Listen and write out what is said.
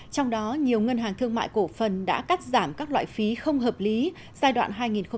trong đó nhiều ngân hàng thương mại cổ phần đã cắt giảm các loại phí không hợp lý giai đoạn hai nghìn một mươi sáu hai nghìn một mươi tám